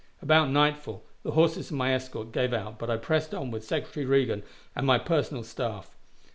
About nightfall the horses of my escort gave out, but I pressed on with Secretary Reagan and my personal staff.